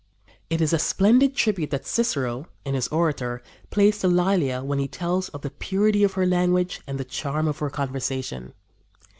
It is a splendid tribute that Cicero, in his Orator, pays to Lælia when he tells of the purity of her language and the charm of her conversation.